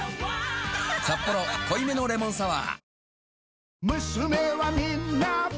「サッポロ濃いめのレモンサワー」